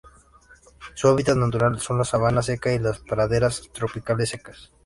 Su hábitat natural son la sabana seca y las praderas tropicales secas.